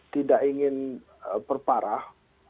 tidak ingin perparah